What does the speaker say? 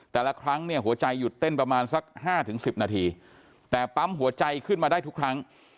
แต่ละครั้งเนี่ยหัวใจหยุดเต้นประมาณสัก๕๑๐นาทีแต่ปั๊มหัวใจขึ้นมาได้ทุกครั้ง